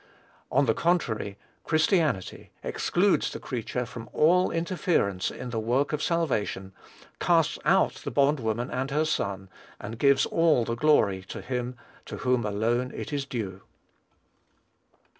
On the contrary, Christianity excludes the creature from all interference in the work of salvation; casts out the bond woman and her son, and gives all the glory to him to whom alone it is due.